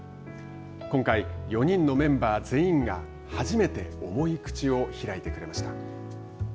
今回、４人のメンバー全員が初めて重い口を開いてくれました。